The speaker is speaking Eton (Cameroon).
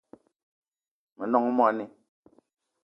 Me nong moni